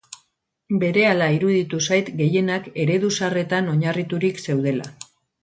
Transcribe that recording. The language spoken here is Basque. Berehala iruditu zait gehienak eredu zaharretan oinarriturik zeudela.